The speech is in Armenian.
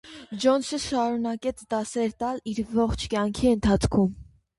Ջոնսը շարունակեց դասեր տալ իր ողջ կյանքի ընթացքում։